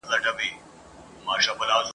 ګواکي« هغسي غر هغسي کربوړی ..